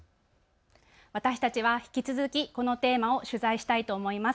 私たちは引き続きこのテーマを取材したいと思います。